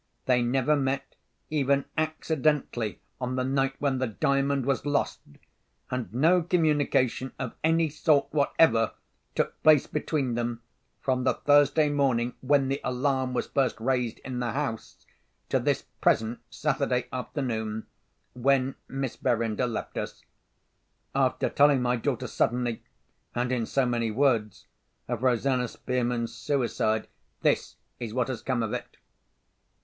They never met, even accidentally, on the night when the Diamond was lost; and no communication of any sort whatever took place between them, from the Thursday morning when the alarm was first raised in the house, to this present Saturday afternoon, when Miss Verinder left us. After telling my daughter suddenly, and in so many words, of Rosanna Spearman's suicide—this is what has come of it."